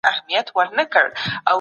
د اسلام لاره د سعادت لاره ده.